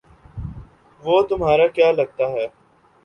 وہ تمہارا کیا لگتا ہے